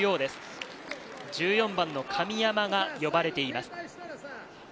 １４番の神山が呼ばれています。